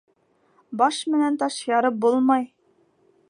Баш менән таш ярып булмай.